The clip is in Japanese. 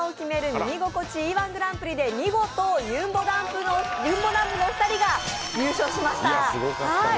「耳心地いい−１グランプリ」で見事ゆんぼだんぷのお二人が優勝しました。